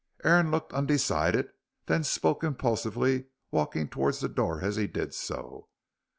Aaron looked undecided, then spoke impulsively, walking towards the door as he did so.